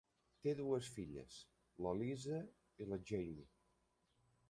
Té dues filles, la Lisa i la Jamie.